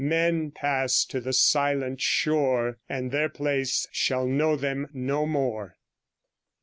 Men pass to the silent shore, And their place shall know them no more.